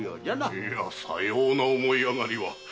いやさような思い上がりは。